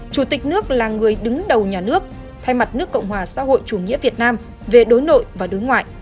chủ tịch nước là người đứng đầu nhà nước thay mặt nước cộng hòa xã hội chủ nghĩa việt nam về đối nội và đối ngoại